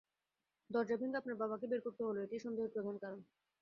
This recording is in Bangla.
দরজা ভেঙে আপনার বাবাকে বের করতে হল, এটাই সন্দেহের প্রধান কারণ।